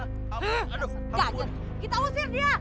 gajar kita usir dia